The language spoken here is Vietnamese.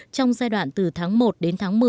trong giai đoạn từ tháng một đến tháng một mươi